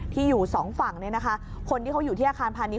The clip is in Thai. ที่อยู่๒ฝั่งนะคะคนที่เขาอยู่ที่อาคารพาณิชย์